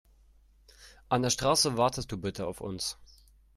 An der Straße wartest du bitte auf uns.